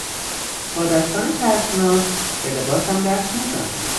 با دستان چسبناک به لباسم دست نزن!